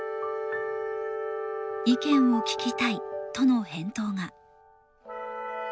「意見を聞きたい」との返答が。